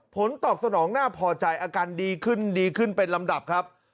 ผลตอบสนองน่าพอใจอาการดีขึ้นดีขึ้นเป็นลำดับครับ